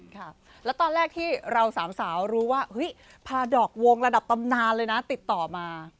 ค่ะแล้วตอนแรกที่เราสามสาวรู้ว่าเฮ้ยพาดอกวงระดับตำนานเลยนะติดต่อมา